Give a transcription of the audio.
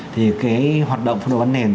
thì cái hoạt động phân đồ bán nền